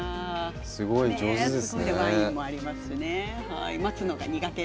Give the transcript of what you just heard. すごい上手ですね。